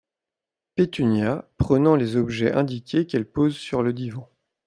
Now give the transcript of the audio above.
Pétunia , prenant les objets indiqués qu’elle pose sur le divan.